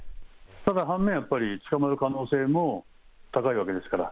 ただ、反面、捕まる可能性も高いわけですから。